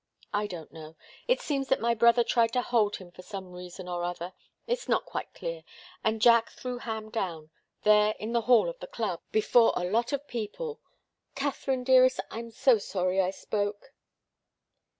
I don't know it seems that my brother tried to hold him for some reason or other it's not quite clear and Jack threw Ham down, there in the hall of the club, before a lot of people Katharine dearest, I'm so sorry I spoke!"